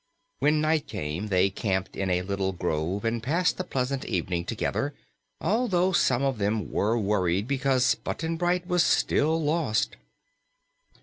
When night came, they camped in a little grove and passed a pleasant evening together, although some of them were worried because Button Bright was still lost.